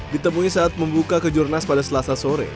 ditemui saat membuka kejurnas pada selasa sore